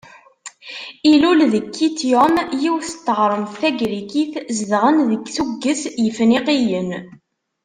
Ilul deg Kityum, yiwet n teɣremt tagrikit zedɣen deg tuget Yefniqiyen.